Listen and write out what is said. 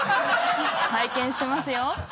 拝見してますよ。